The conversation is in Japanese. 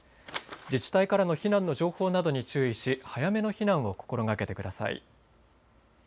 自治体からの避難の情報などに注意し早めの避難を心がけてください。